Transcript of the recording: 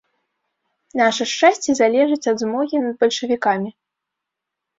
Наша шчасце залежыць ад змогі над бальшавікамі.